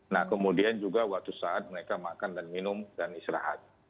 nah kemudian juga waktu saat mereka makan dan minum dan istirahat